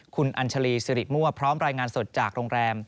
คุณอัญชาลีสิริมั่วพร้อมรายงานสดจากโรงแรม